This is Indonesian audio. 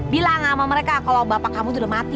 bilang sama mereka kalau bapak kamu tuh udah mati